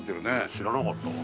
知らなかったわ。